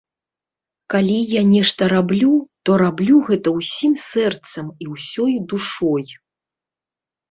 Калі я нешта раблю, то раблю гэта ўсім сэрцам і ўсёй душой.